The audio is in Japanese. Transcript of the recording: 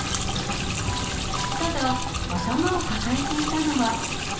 ただ、頭を抱えていたのは。